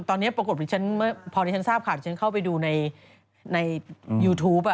ตอนนี้ปรากฏฉันพอดีฉันทราบข่าวฉันเข้าไปดูในยูทูป